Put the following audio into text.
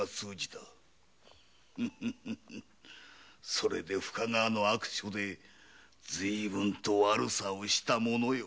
それで深川の悪所で随分と悪さをしたものよ。